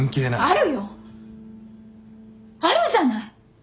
あるじゃない！